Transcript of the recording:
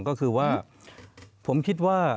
ก็คือว่าผมคิดว่า